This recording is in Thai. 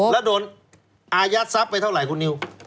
และโดนอายัตซับไปเท่าไหร่คุณนิว